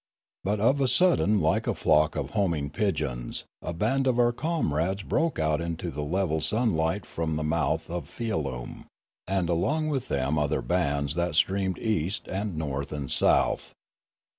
But of a sudden like a flock of homing pigeons a band of our comrades broke out into the level sunlight from the mouth of Fialume; and along with them other bands that streamed east and north and south.